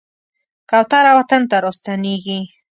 کوتره وطن ته راستنېږي.